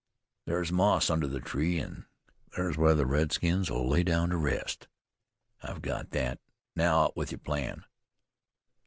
There's moss under the tree an' there's where the redskins'll lay down to rest." "I've got that; now out with your plan."